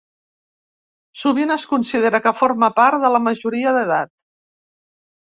Sovint es considera que forma part de la majoria d'edat.